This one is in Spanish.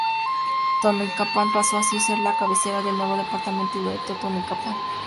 Totonicapán pasó así a ser la cabecera del nuevo departamento de Totonicapán.